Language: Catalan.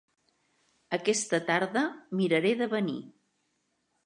Aquesta tarda miraré de venir.